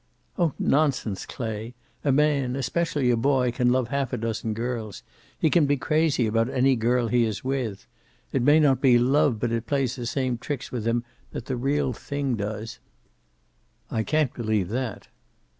"Oh, nonsense, Clay. A man especially a boy can love a half dozen girls. He can be crazy about any girl he is with. It may not be love, but it plays the same tricks with him that the real thing does." "I can't believe that."